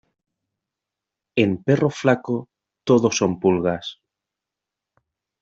En perro flaco todo son pulgas.